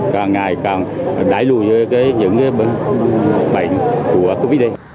càng ngày càng đẩy lùi những cái bệnh của covid đây